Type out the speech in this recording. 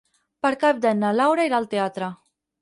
Per Cap d'Any na Laura irà al teatre.